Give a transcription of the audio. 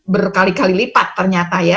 berkali kali lipat ternyata ya